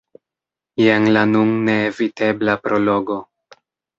Jen la nun neevitebla Prologo.